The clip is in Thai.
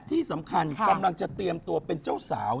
ที่สำคัญกำลังจะเตรียมตัวเป็นเจ้าสาว